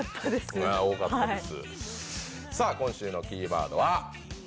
多かったです。